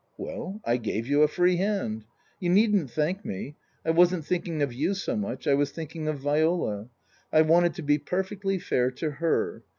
"Well, I gave you a free hand. " You needn't thank me. I wasn't thinking of you so much. I was thinking of Viola. I wanted to be per fectly fair to her.